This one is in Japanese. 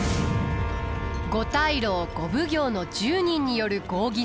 五大老五奉行の１０人による合議制です。